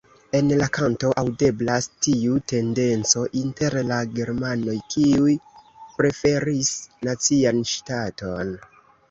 En la kanto aŭdeblas tiu tendenco inter la germanoj kiu preferis nacian ŝtaton.